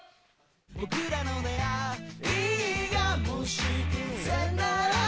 僕らの出逢いがもし偶然ならば？